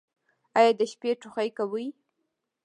ایا د شپې ټوخی کوئ؟